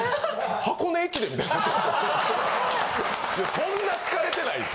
そんな疲れてない！